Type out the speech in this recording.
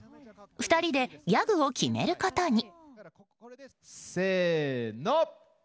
２人でギャグを決めることに。